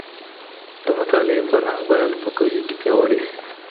د مطالعې فرهنګ بايد په کليو کي پياوړی سي.